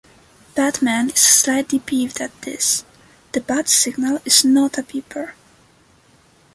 Batman is slightly peeved at this: "The Bat-Signal is not a beeper".